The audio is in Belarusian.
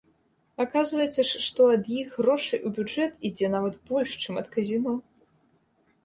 Аказваецца ж, што ад іх грошай у бюджэт ідзе нават больш, чым ад казіно!